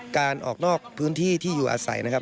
การออกนอกพื้นที่ที่อยู่อาศัยนะครับ